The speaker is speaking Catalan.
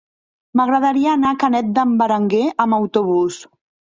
M'agradaria anar a Canet d'en Berenguer amb autobús.